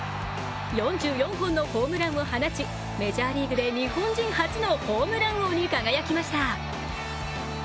４４本のホームランを放ち、メジャーリーグで日本人初のホームラン王に輝きました。